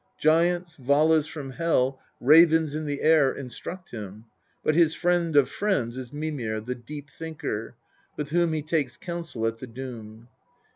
Giants, Valas from Hel, ravens in the air instruct him, but his friend of friends is Mimir, the Deep thinker, with whom he takes counsel at the Doom.